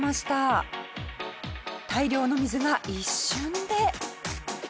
大量の水が一瞬で。